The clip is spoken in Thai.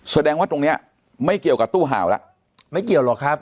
แสดงว่าตรงเนี้ยไม่เกี่ยวกับตู้เห่าแล้วไม่เกี่ยวหรอกครับ